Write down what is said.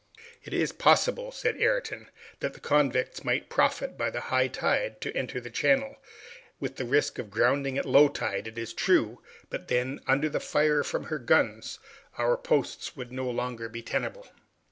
"It is possible," said Ayrton. "The convicts might profit by the high tide to enter the channel, with the risk of grounding at low tide, it is true; but then, under the fire from her guns, our posts would be no longer tenable."